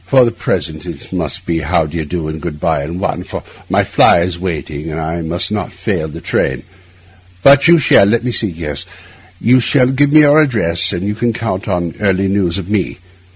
For the present it must be how d'ye do and good bye in one, for my fly is waiting, and I must not fail the train; but you shall—let me see—yes—you shall give me your address, and you can count on early news of me.